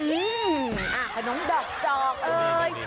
อื้อขนมดอกเอ้ย